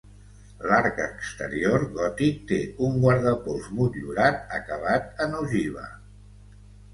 L'arc exterior, gòtic, té un guardapols motllurat acabat en ogiva.